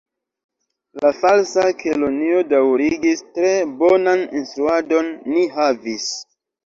La Falsa Kelonio daŭrigis: "Tre bonan instruadon ni havis. »